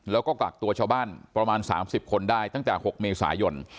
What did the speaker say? แล้วก็กักตัวชาวบ้านประมาณ๓๐คนได้ตั้งแต่๖เมษายน